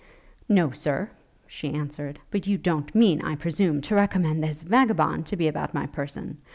'No, Sir,' she answered; 'but you don't mean, I presume, to recommend this vagabond to be about my person?